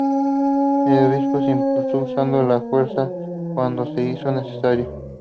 El obispo se impuso usando la fuerza cuando se hizo necesario.